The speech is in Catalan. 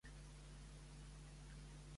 Què fou de Terambo?